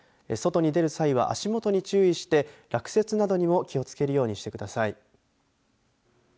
外に出る際は足元に注意して落雪などにも気をつけるようにしてください。